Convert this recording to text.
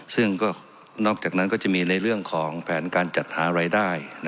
ซึ่งก็นอกจากนั้นก็จะมีในเรื่องของแผนการจัดหารายได้